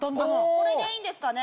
これでいいんですかね？